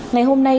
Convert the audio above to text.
ngày hôm nay